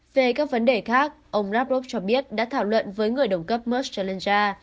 về các vấn đề khác ông lavrov cho biết đã thảo luận với người đồng cấp merck challenger